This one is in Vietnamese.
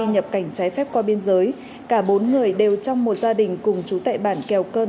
nhập cảnh trái phép qua biên giới cả bốn người đều trong một gia đình cùng chú tại bản kèo cơn